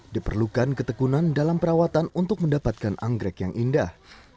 diperlukan ketekunan dalam perawatan untuk mendapatkan anggrek yang indah